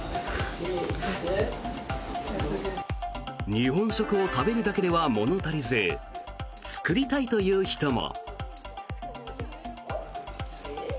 日本食を食べるだけでは物足りず作りたいという人も。